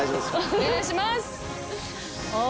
お願いします！